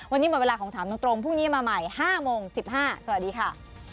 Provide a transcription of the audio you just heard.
วันนี้หมดเวลาของถามตรงพรุ่งนี้มาใหม่๕โมง๑๕สวัสดีค่ะ